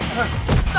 mereka bisa berdua